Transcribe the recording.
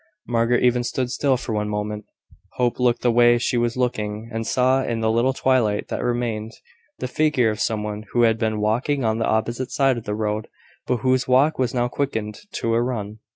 Margaret even stood still for one moment. Hope looked the way she was looking, and saw, in the little twilight that remained, the figure of some one who had been walking on the opposite side of the road, but whose walk was now quickened to a run.